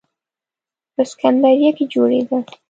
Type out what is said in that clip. په سکندریه کې جوړېده.